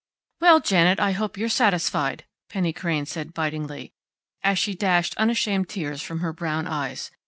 "Well, Janet, I hope you're satisfied!" Penny Crain said bitingly, as she dashed unashamed tears from her brown eyes.